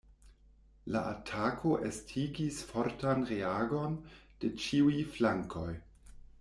La atako estigis fortan reagon de ĉiuj flankoj.